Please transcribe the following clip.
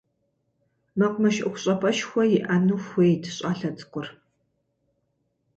Мэкъумэш ӏуэхущӏапӏэшхуэ иӏэну хуейт щӏалэ цӏыкӏур.